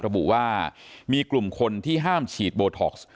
ระบุว่ามีกลุ่มคนที่ห้ามฉีดโบท็อกซ์